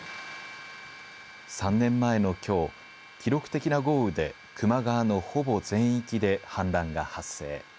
３年前のきょう記録的な豪雨で球磨川のほぼ全域で氾濫が発生。